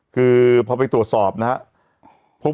คือพอไปตรวจสอบนะครับ